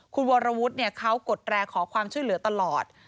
คุณวรวุฒิเขากดแร่ขอความช่วยเหลือตลอด